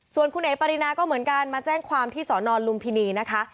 ส่วนคุณเอ๋ปรินาก็เหมือนกันมาแจ้งความที่สอนอนลุมพินีนะคะ